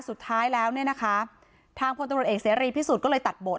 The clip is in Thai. สุดท้ายแล้วเนี่ยนะคะทางพลตำรวจเอกเสรีพิสุทธิ์ก็เลยตัดบท